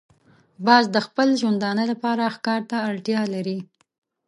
باز د خپل ژوندانه لپاره ښکار ته اړتیا لري